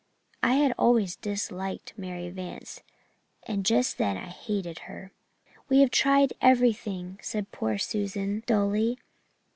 I had always disliked Mary Vance and just then I hated her. "'We have tried everything,' said poor Susan dully.